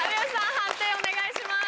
判定お願いします。